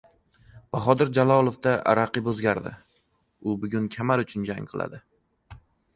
Bahodir Jalolovda raqib o‘zgardi. U bugun kamar uchun jang qiladi